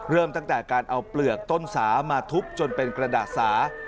เริ่มตั้งแต่การเอาเปลือกต้นสามาทุบจนเป็นกระดาษสา